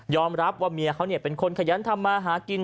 รับว่าเมียเขาเป็นคนขยันทำมาหากิน